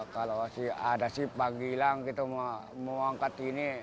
kalau ada sih pagi lang kita mau angkat ini